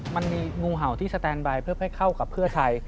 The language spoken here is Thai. มันมีงูเห่าที่สแตนไบด์เพิ่มให้เข้ากับเพื่อใคร